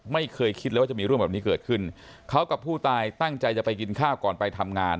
ไม่เคยคิดเลยว่าจะมีเรื่องแบบนี้เกิดขึ้นเขากับผู้ตายตั้งใจจะไปกินข้าวก่อนไปทำงาน